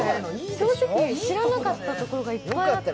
正直知らなかったところがいっぱいあった。